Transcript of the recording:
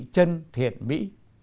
chân thiện mỹ